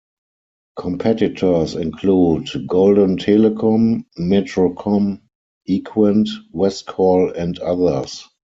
Competitors include Golden Telecom, Metrocom, Equant, Westcall, and others.